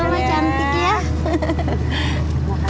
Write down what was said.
bian itu apa